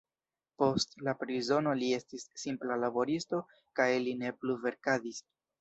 Post la prizono li estis simpla laboristo kaj li ne plu verkadis.